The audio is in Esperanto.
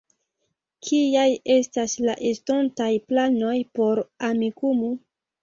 Kiaj estas la estontaj planoj por Amikumu?